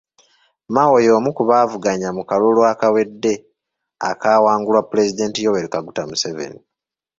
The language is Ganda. Mao y'omu ku baavuganya mu kalulu akawedde, akaawangulwa Pulezidenti Yoweri Kaguta Museveni.